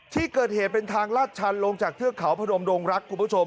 ที่เกิดเหตุเป็นทางลาดชันลงจากเทือกเขาพนมดงรักคุณผู้ชม